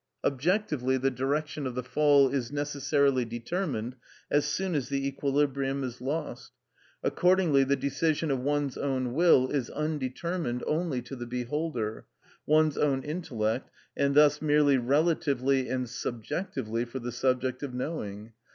Objectively, the direction of the fall is necessarily determined as soon as the equilibrium is lost. Accordingly, the decision of one's own will is undetermined only to the beholder, one's own intellect, and thus merely relatively and subjectively for the subject of knowing.